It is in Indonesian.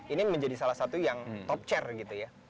ini menjadi salah satu yang top chair gitu ya